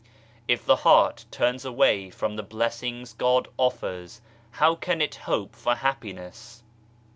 If the heart turns away from the blessings God offers how can it hope for happiness